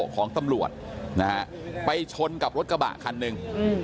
ของตำรวจไปช้นกับรถกระบะคันนึง